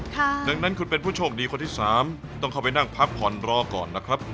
ดังนั้นคุณเป็นผู้โชคดีคนที่สามต้องเข้าไปนั่งพักผ่อนรอก่อนนะครับ